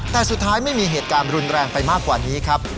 แต่สุดท้ายไม่มีเหตุการณ์รุนแรงไปมากกว่านี้ครับ